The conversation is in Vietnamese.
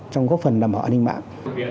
trong góp phần nâng cao an ninh mạng